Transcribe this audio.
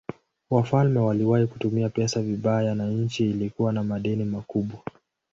Wafalme waliwahi kutumia pesa vibaya na nchi ilikuwa na madeni makubwa.